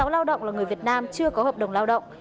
một mươi sáu lao động là người việt nam chưa có hợp đồng lao động